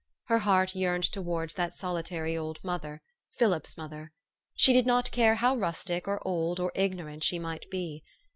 Her heart yearned towards that solitary old mother Philip's mother. She did not care how rustic, or old, or ignorant she might be.